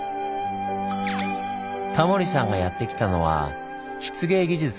タモリさんがやって来たのは漆芸技術研修所。